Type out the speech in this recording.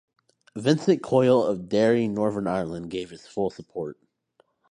Vincent Coyle of Derry, Northern Ireland gave his full support.